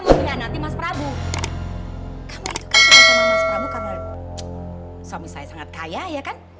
karena mas prabu karena suami saya sangat kaya ya kan